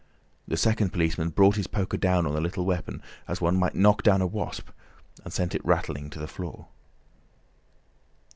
The second policeman brought his poker down on the little weapon, as one might knock down a wasp, and sent it rattling to the floor.